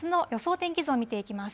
天気図を見ていきます。